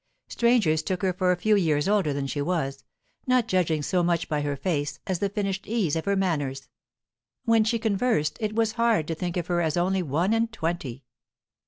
Strangers took her for a few years older than she was, not judging so much by her face as the finished ease of her manners; when she conversed, it was hard to think of her as only one and twenty.